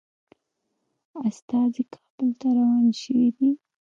استازي کابل ته روان شوي دي.